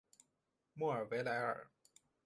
莫尔维莱尔。